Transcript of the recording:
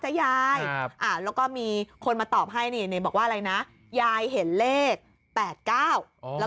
ยายแล้วก็มีคนมาตอบให้นี่บอกว่าอะไรนะยายเห็นเลข๘๙แล้ว